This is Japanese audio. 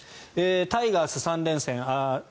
タイガース３連戦